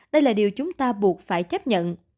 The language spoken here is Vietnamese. đây là điều chúng ta buộc phải chấp nhận